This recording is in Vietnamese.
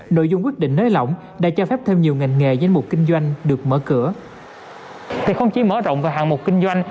nội dung quyết định nới lỏng đã cho phép thêm nhiều ngành nghề danh mục kinh doanh được mở cửa